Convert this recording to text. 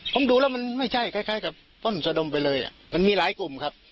ผมดูแล้วมันไม่ใช่คล้ายกับต้นสะดมไปเลยมันมีหลายกลุ่มครับ